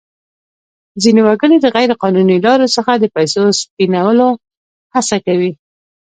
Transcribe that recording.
ځینې وګړي د غیر قانوني لارو څخه د پیسو سپینولو هڅه کوي.